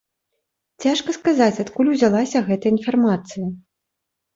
Цяжка сказаць, адкуль узялася гэтая інфармацыя.